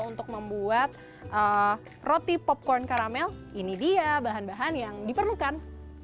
untuk membuat roti popcorn karamel ini dia bahan bahan yang diperlukan